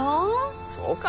そうか？